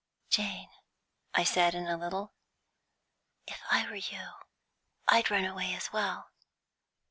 "Jane," I said, in a little, "if I were you, I'd run away as well."